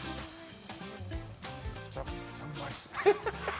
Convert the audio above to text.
めちゃくちゃうまいですね。